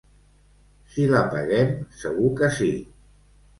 Si la paguem, segur que sí.